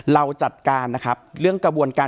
เราจัดการนะครับเรื่องกระบวนการ